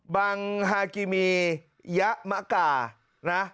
บางฮากิมียะมะกานะ